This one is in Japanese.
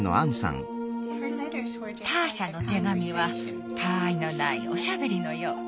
ターシャの手紙はたあいのないおしゃべりのよう。